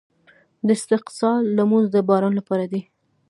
د استسقا لمونځ د باران لپاره دی.